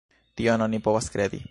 Tion oni povas kredi.